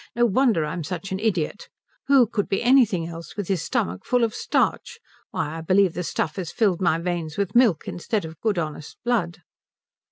"No wonder I'm such an idiot. Who could be anything else with his stomach full of starch? Why, I believe the stuff has filled my veins with milk instead of good honest blood."